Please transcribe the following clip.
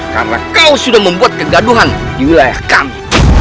karena kau sudah membuat kegaduhan di wilayah kami